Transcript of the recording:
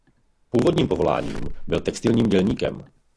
Původním povoláním byl textilním dělníkem.